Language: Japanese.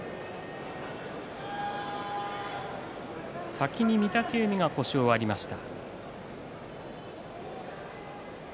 先に御嶽海が腰を割りました。